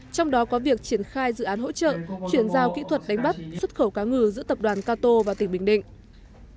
trong đó có việc triển khai dự án hỗ trợ chuyển giao kỹ thuật đánh bắt xuất khẩu cá ngừ giữa tập đoàn cato và tỉnh bình định